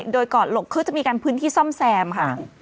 โดยก่อนหลบคือจะมีการพื้นที่ซ่อมแซมค่ะ